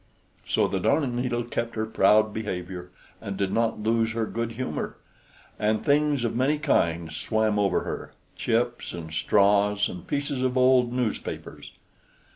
So the Darning needle kept her proud behavior, and did not lose her good humor. And things of many kinds swam over her, chips and straws and pieces of old newspapers.